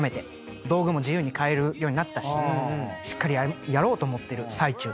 道具も自由に買えるようになったししっかりやろうと思ってる最中というか。